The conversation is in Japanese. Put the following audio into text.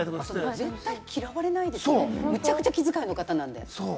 絶対に嫌われないですもんね、めちゃくちゃ気遣いの人なので。